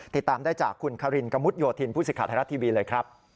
ติดตามได้จากคุณคารินกระมุดโยธินพศิษยาธรรรยาทีวีเลยครับ